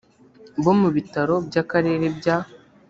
bo mu bitaro by akarere bya